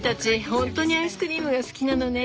本当にアイスクリームが好きなのね。